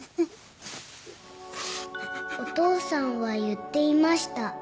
お父さんは言っていました。